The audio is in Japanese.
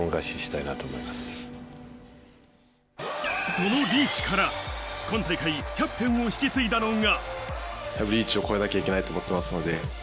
そのリーチから今大会、キャプテンを引き継いだのが。